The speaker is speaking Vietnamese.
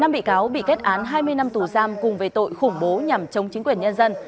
năm bị cáo bị kết án hai mươi năm tù giam cùng về tội khủng bố nhằm chống chính quyền nhân dân